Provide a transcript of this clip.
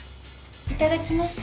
いただきます。